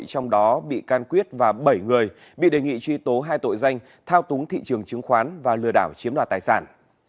trong đó bị can quyết và bảy người bị đề nghị truy tố hai tội danh thao túng thị trường chứng khoán và lừa đảo chiếm đoạt tài sản